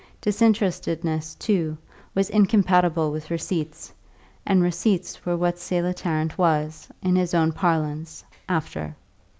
Disinterestedness, too, was incompatible with receipts; and receipts were what Selah Tarrant was, in his own parlance, after.